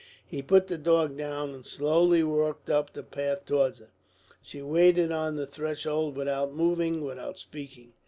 He put the dog down and slowly walked up the path towards her. She waited on the threshold without moving, without speaking.